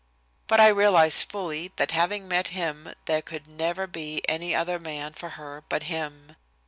But I realize fully that having met him there could never be any other man for her but him.